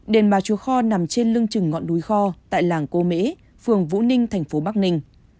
đền bà chùa kho nằm trên lưng trừng ngọn núi kho tại làng cô mễ phường vũ ninh thành phố bắc ninh